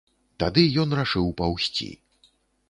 Тады ён рашыў паўзці.